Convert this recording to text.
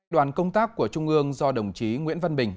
đoàn công tác của trung ương do đồng chí nguyễn văn bình